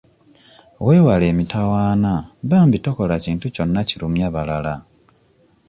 Weewale emitawana bambi tokola kintu kyonna kirumya balala.